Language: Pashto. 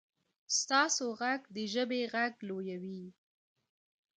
ستاسو غږ د ژبې غږ لویوي.